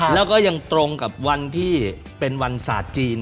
แล้วก็ยังตรงกับวันที่เป็นวันศาสตร์จีน